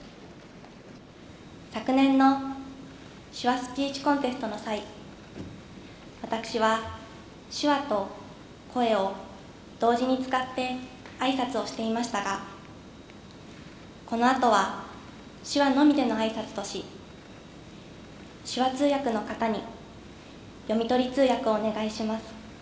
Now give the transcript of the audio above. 昨年の手話スピーチコンテストの際、私は手話と声を同時に使ってあいさつをしていましたが、このあとは手話のみでのあいさつとし、手話通訳の方に読み取り通訳をお願いします。